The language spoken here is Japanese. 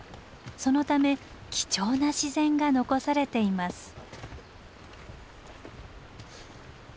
そのため貴重な自然が残されています。